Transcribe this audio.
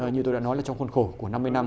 như tôi đã nói là trong khuôn khổ của năm mươi năm